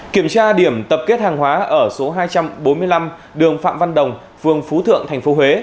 kiểm tra điểm tập kết hàng hóa ở số hai trăm bốn mươi năm đường phạm văn đồng phường phú thượng tp huế